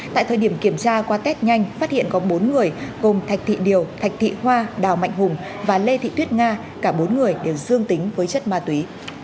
tại thời điểm kiểm tra qua test nhanh phát hiện có bốn người gồm thạch thị điều thạch thị hoa đào mạnh hùng và lê thị tuyết nga cả bốn người đều dương tính với chất ma túy